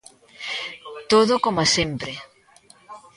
Todo coma sempre.